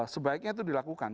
sebaiknya itu dilakukan